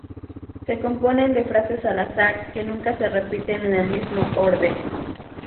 Se componen de frases al azar, que nunca se repiten en el mismo orden.